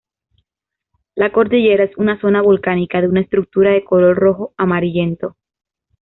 La Cordillera es una zona volcánica, de una estructura de color rojo amarillento.